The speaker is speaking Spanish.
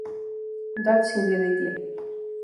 That's Incredible!